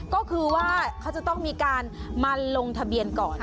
ก็คือว่าเขาจะต้องมีการมาลงทะเบียนก่อน